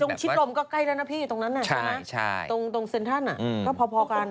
จงชิดลมก็ใกล้แล้วนะพี่ตรงนั้นน่ะนะตรงเซ็นทรัลน่ะเพราะพอกัน